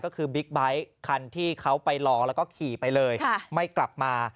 ก็คือบิ๊กไบท์คันที่เขาไปรอแล้วก็ขี่ไปเลยไม่กลับมา